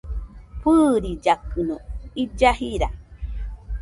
Fɨɨrillakɨno illa jira